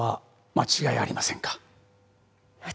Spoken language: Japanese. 間違いありません。